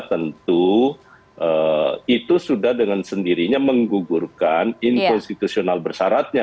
tentu itu sudah dengan sendirinya menggugurkan inkonstitusional bersaratnya